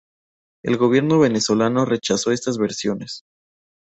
El gobierno venezolano rechazó estas versiones.